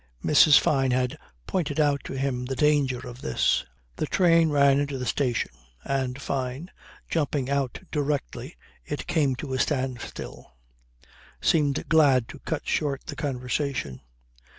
Mrs. Fyne had pointed out to him the danger of this. The train ran into the station and Fyne, jumping out directly it came to a standstill, seemed glad to cut short the conversation.